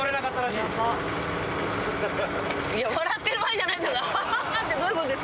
いや、笑ってる場合じゃないです。